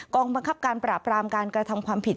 บังคับการปราบรามการกระทำความผิด